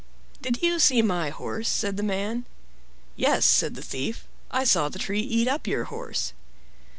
"Did you see my horse?" said the man. "Yes," said the Thief, "I saw the tree eat up your horse."